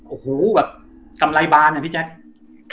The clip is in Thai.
โอ้โหแบบกำไรบานอะพี่แจ๊ค